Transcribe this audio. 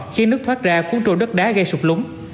khiến nước thoát ra cuốn trôi đất đá gây sụp lúng